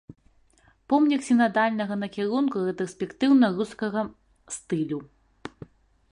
Помнік сінадальнага накірунку рэтраспектыўна-рускага стылю.